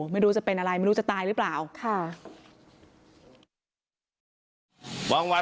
ไม่รู้จะเป็นอะไรไม่รู้จะตายหรือเปล่าค่ะ